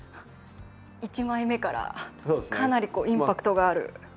１枚目からかなりインパクトがある。